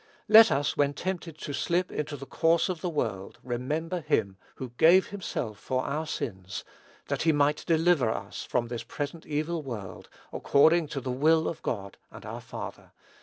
Let us, when tempted to slip into the course of the world, remember him "who gave himself for our sins, that he might deliver us from this present evil world, according to the will of God, and our Father."